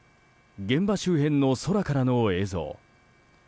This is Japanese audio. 現場周辺の空からの映像。